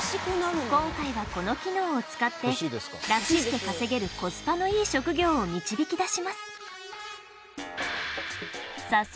今回はこの機能を使ってラクして稼げるコスパのいい職業を導き出します